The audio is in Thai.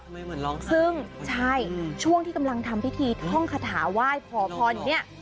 ทำไมเหมือนร้องศรีซึ่งใช่ช่วงที่กำลังทำพิธีท่องคาถาไหว่พออย่างนี้